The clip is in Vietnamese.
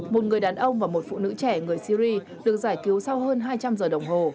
một người đàn ông và một phụ nữ trẻ người syri được giải cứu sau hơn hai trăm linh giờ đồng hồ